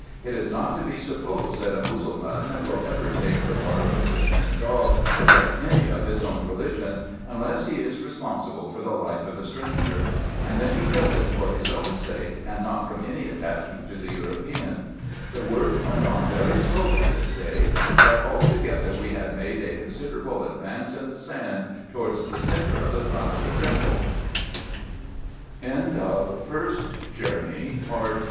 It is not to be supposed that a Mussulman will ever take the part of a Christian dog, against any of his own religion, unless he is responsible for the life of the stranger ; and then he does it for his own sake, and not from any attachment to the European. The work went on very slowly this day ; but altogether we had made a considerable advance in the sand, towards the centre of the front of the temple.